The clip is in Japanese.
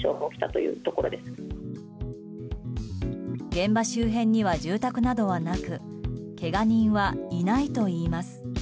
現場周辺には住宅などはなくけが人はいないといいます。